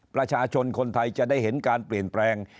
ประชาชนคนไทยจะได้เห็นการเปลี่ยนแปลง